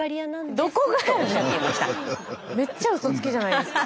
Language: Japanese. めっちゃうそつきじゃないですか。